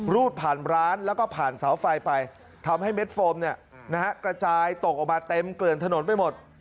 รูดผ่านร้านแล้วก็ผ่านเสาไฟไปทำให้เม็ดโฟมกระจายตกออกมาเต็มเกลื่อนถนนไปหมด